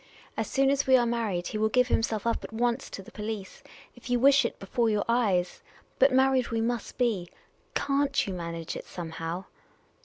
As soon as we are married, he will give himself up at once to the police — if you wish it, before your eyes. But married we must be. Can't you manage it somehow